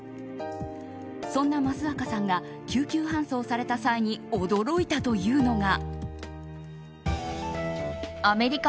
そんな益若さんが救急搬送された際に驚いたというのが。